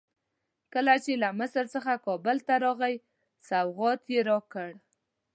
کله چې له مصر څخه کابل ته راغی سوغات یې راکړ.